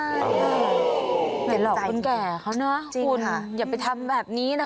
อย่าหลอกคนแก่เขานะจริงค่ะคุณอย่าไปทำแบบนี้นะ